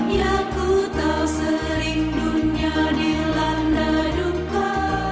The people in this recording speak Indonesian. ya ku tahu sering dunia dilanda duka